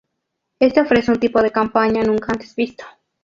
Este ofrece un tipo de campaña nunca antes visto.